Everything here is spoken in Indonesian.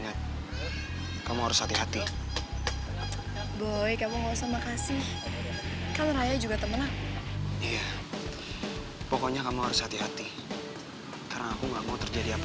aku kemanaan tadi